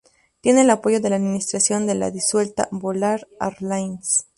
Tiene el apoyo de la administración de la disuelta Volare Airlines.